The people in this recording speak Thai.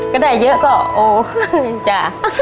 ก็ได้เยอะก่อโอจ้ะ